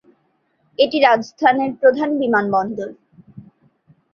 এটি রাজস্থানের প্রধান বিমানবন্দর।